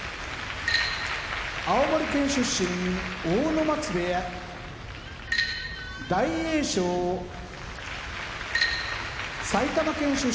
青森県出身阿武松部屋大栄翔埼玉県出身